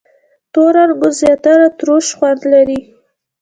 • تور انګور زیاتره تروش خوند لري.